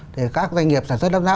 để các doanh nghiệp sản xuất đáp giá